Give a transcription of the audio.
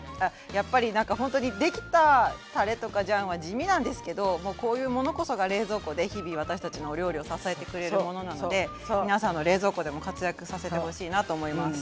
やっぱりほんとにできたたれとかジャンは地味なんですけどもうこういうものこそが冷蔵庫で日々私たちのお料理を支えてくれるものなので皆さんの冷蔵庫でも活躍させてほしいなと思います。